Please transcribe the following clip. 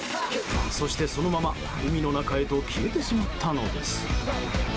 そして、そのまま海の中へと消えてしまったのです。